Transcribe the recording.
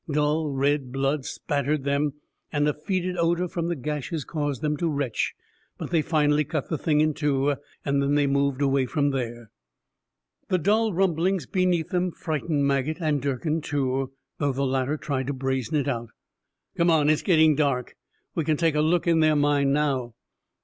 Dull red blood spattered them, and a fetid odor from the gashes caused them to retch, but they finally cut the thing in two, and then they moved away from there. The dull rumblings beneath them frightened Maget, and Durkin too, though the latter tried to brazen it out. "Come on, it's gettin' dark. We can take a look in their mine now."